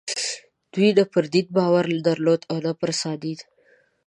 دوی نه پر دین باور درلود او نه پر سادین.